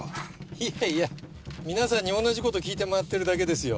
いやいや皆さんに同じこと聞いて回ってるだけですよ